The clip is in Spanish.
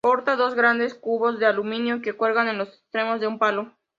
Porta dos grandes cubos de aluminio que cuelgan en los extremos de un palo.